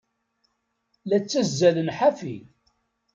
La ttazzalen ḥafi.